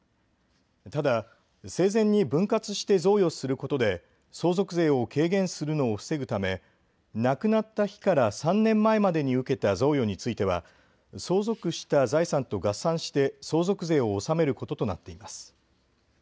ただ生前に分割して贈与することで相続税を軽減するのを防ぐため亡くなった日から３年前までに受けた贈与については相続した財産と合算して相続税を納めることとなっています。